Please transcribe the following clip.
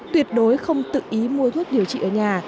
tuyệt đối không tự ý mua thuốc điều trị ở nhà